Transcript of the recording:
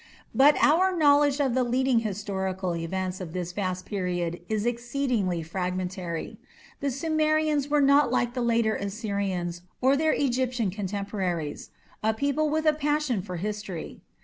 But our knowledge of the leading historical events of this vast period is exceedingly fragmentary. The Sumerians were not like the later Assyrians or their Egyptian contemporaries a people with a passion for history.